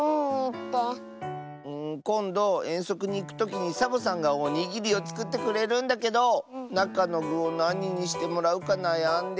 こんどえんそくにいくときにサボさんがおにぎりをつくってくれるんだけどなかのぐをなににしてもらうかなやんでて。